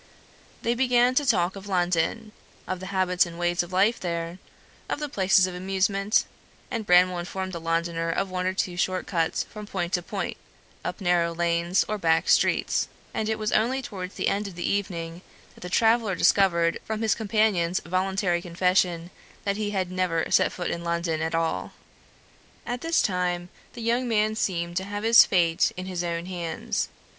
They began to talk of London; of the habits and ways of life there; of the places of amusement; and Branwell informed the Londoner of one or two short cuts from point to point, up narrow lanes or back streets; and it was only towards the end of the evening that the traveller discovered, from his companion's voluntary confession, that he had never set foot in London at all. At this time the young man seemed to have his fate in his own hands.